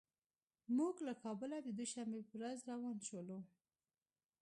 موږ له کابله د دوشنبې په ورځ روان شولو.